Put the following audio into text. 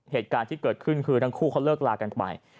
เหตุการณ์ที่เกิดขึ้นคือทั้งคู่เขาเลิกลากันไป